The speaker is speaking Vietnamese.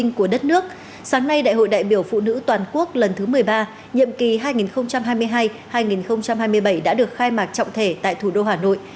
nhậm kỳ hai nghìn hai mươi hai hai nghìn hai mươi bảy đã được khai mạc trọng thể tại thủ đô hà nội